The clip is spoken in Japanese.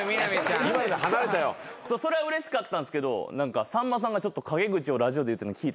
それはうれしかったんですけどさんまさんがちょっと陰口をラジオで言うてんの聞いて。